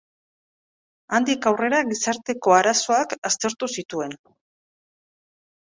Handik aurrera gizarteko arazoak aztertu zituen.